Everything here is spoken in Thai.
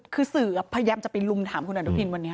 คือสื่อพยายามจะไปลุมถามคุณอนุทินวันนี้